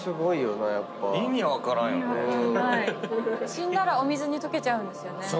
死んだらお水に溶けちゃうんですよね。